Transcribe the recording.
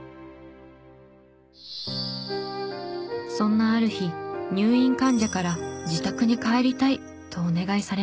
そんなある日入院患者から自宅に帰りたいとお願いされます。